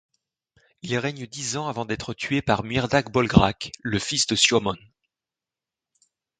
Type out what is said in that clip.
Il règne dix ans avant d'être tué par Muiredach Bolgrach le fils de Siomón.